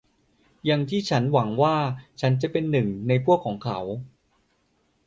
อย่างที่ฉันหวังว่าฉันเป็นหนึ่งในพวกของเขา